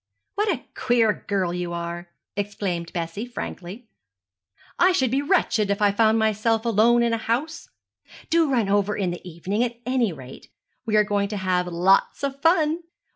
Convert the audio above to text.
'What a queer girl you are!' exclaimed Bessie, frankly. 'I should be wretched if I found myself alone in a house. Do run over in the evening, at any rate. We are going to have lots of fun.'